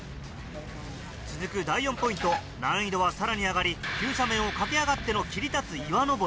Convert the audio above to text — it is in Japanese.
続く第４ポイント難易度はさらに上がり急斜面を駆け上がっての切り立つ岩登り。